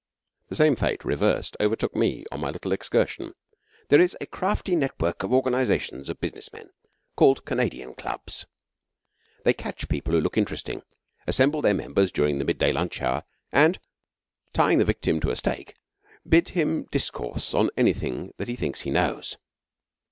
The same fate, reversed, overtook me on my little excursion. There is a crafty network of organisations of business men called Canadian Clubs. They catch people who look interesting, assemble their members during the mid day lunch hour, and, tying the victim to a steak, bid him discourse on anything that he thinks he knows.